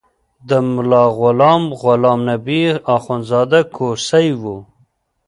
د ملا غلام غلام نبي اخندزاده کوسی و.